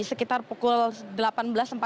sekitar pukul tujuh malam